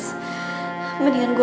gue gak boleh nangis